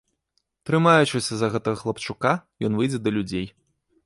Трымаючыся за гэтага хлапчука, ён выйдзе да людзей.